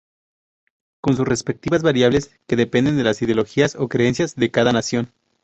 Con sus respectivas variables que dependen de las ideologías o creencias de cada nación.